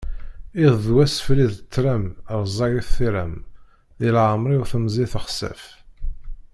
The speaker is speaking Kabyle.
Iḍ d wass fell-i d ṭṭlam rzagit tiram, di leεmer-iw temẓi texsef.